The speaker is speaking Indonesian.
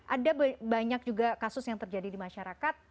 ada banyak juga kasus yang terjadi di masyarakat